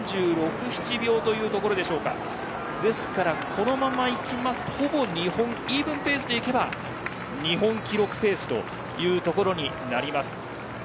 このままイーブンペースでいけば日本記録ペースということになります。